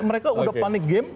mereka udah panik game